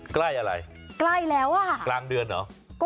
ใกล้อะไรกล้างเดือนหรอ